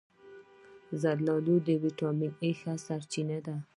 زردآلو د ویټامین A ښه سرچینه ده.